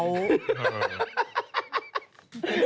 มันประเด็นขึ้น